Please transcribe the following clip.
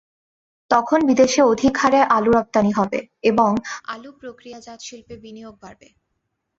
তখন বিদেশে অধিক হারে আলু রপ্তানি হবে এবং আলু প্রক্রিয়াজাতশিল্পে বিনিয়োগ বাড়বে।